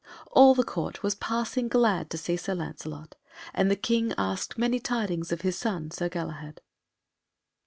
All the Court was passing glad to see Sir Lancelot, and the King asked many tidings of his son Sir Galahad.